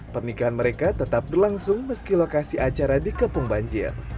pernikahan mereka tetap berlangsung meski lokasi acara dikepung banjir